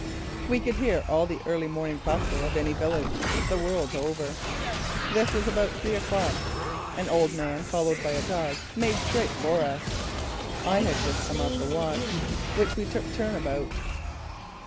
We could hear all the early morning bustle of any village, the world over. This was about three o'clock. An old man followed by a dog made straight for us. I had just come off the watch, which we took turn about.